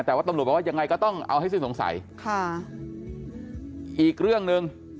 แต่ว่าตำรวจบอกว่ายังไงก็ต้องเอาให้สิ้นสงสัยค่ะอีกเรื่องหนึ่ง